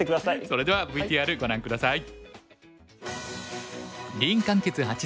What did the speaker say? それではＶＴＲご覧下さい。